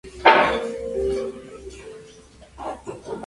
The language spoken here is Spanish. El plato se cocina al horno y se sirve caliente.